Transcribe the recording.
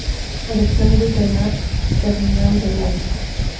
Alexandre Renard, Cardenal de Lyon.